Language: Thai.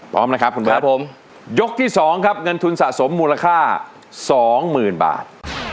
พร้อมนะครับคุณบรรทยกที่๒ครับเงินทุนสะสมมูลค่า๒๐๐๐๐บาท